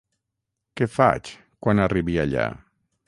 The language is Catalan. Què faig quan arribi allà?